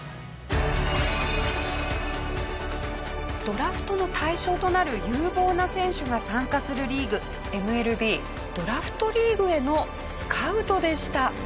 ドラフトの対象となる有望な選手が参加するリーグＭＬＢドラフト・リーグへのスカウトでした。